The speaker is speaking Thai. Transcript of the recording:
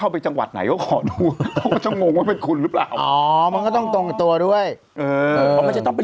นี่จะจะนอนแล้วนะลูปนี้ไม่ได้แอป